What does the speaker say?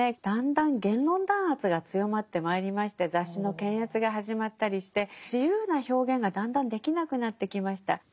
だんだん言論弾圧が強まってまいりまして雑誌の検閲が始まったりして自由な表現がだんだんできなくなってきました。